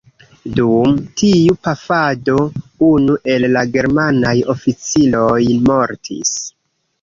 Dum tiu pafado unu el la germanaj oficiroj mortis.